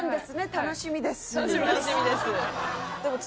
楽しみです。